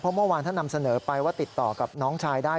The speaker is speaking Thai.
เมื่อวานท่านนำเสนอไปว่าติดต่อกับน้องชายได้